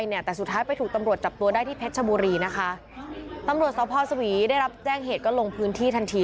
นะคะตำรวจท้อพ่อสวีได้รับแจ้งเหตุก็ลงพื้นที่ทันที